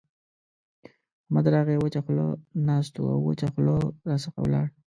احمد راغی؛ وچه خوله ناست وو او وچه خوله راڅخه ولاړ.